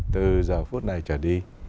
từ giờ phút này trở đi